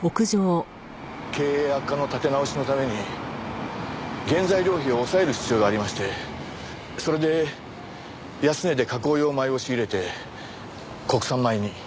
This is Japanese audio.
経営悪化の立て直しのために原材料費を抑える必要がありましてそれで安値で加工用米を仕入れて国産米に。